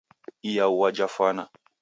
Iyaua jafwane.